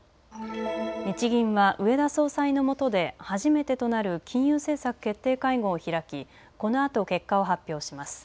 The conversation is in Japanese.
日銀は植田総裁のもとで初めてとなる金融政策決定会合を開きこのあと結果を発表します。